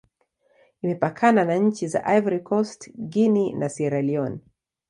Imepakana na nchi za Ivory Coast, Guinea, na Sierra Leone.